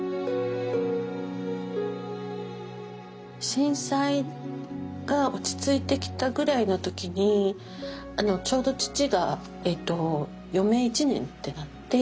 震災が落ち着いてきたぐらいの時にちょうど父がえと余命１年ってなって。